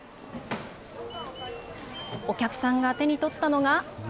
お客さんが手に取ったのが。